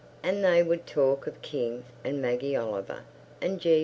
And they would talk of King, and Maggie Oliver, and G.